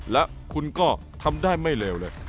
และคุณก็ทำได้ไม่เลวเลย